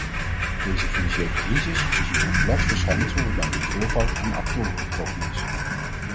Deze financiële crisis is een complex verschijnsel waarbij een veelvoud aan actoren betrokken is.